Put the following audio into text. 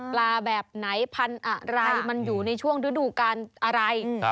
แบบไหนพันธุ์อะไรมันอยู่ในช่วงฤดูการอะไร